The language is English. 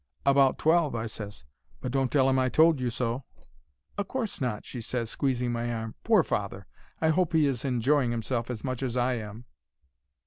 "'About twelve,' I ses; 'but don't tell 'im I told you so.' "'O' course not,' she ses, squeezing my arm. 'Poor father! I hope he is enjoying himself as much as I am.'